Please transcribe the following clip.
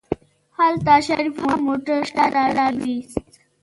هلته شريف هم موټر شاته راوست.